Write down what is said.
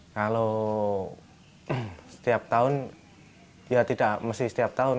kalau setiap tahun ya tidak mesti setiap tahun